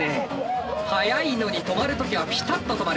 速いのに止まる時はピタッと止まる。